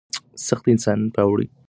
سختۍ انسان پیاوړی کوي او زغم ور زده کوي.